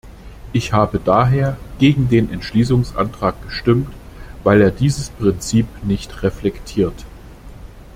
Ich habe daher gegen den Entschließungsantrag gestimmt, weil er dieses Prinzip nicht reflektiert.